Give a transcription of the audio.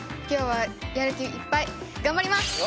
今日はやる気いっぱい頑張ります！